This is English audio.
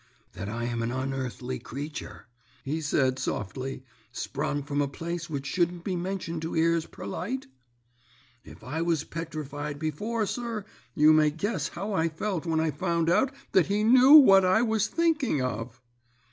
"'That I am an unearthly creature,' he said softly, 'sprung from a place which shouldn't be mentioned to ears perlite?' "If I was petrified before, sir, you may guess how I felt when I found out that he knew what I was thinking of.